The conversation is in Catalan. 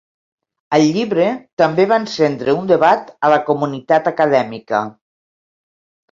El llibre també va encendre un debat a la comunitat acadèmica.